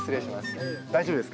大丈夫です。